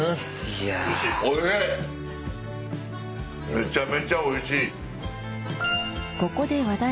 めちゃめちゃおいしい！